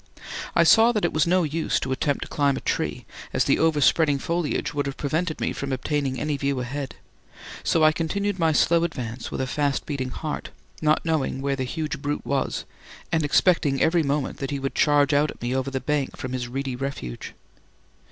I saw that it was no use to attempt to climb a tree, as the overspreading foliage would have prevented me from obtaining any view ahead; so I continued my slow advance with a fast beating heart, not knowing where the huge brute was and expecting every moment that he would charge out at me over the bank from his reedy refuge.